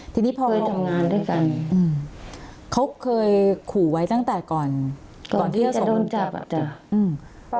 ทีนี้พอไปทำงานด้วยกันอืมเขาเคยขู่ไว้ตั้งแต่ก่อนก่อนที่เราจะโดนจับอ่ะจ้ะอืม